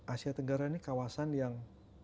asia tenggara ini kawasan yang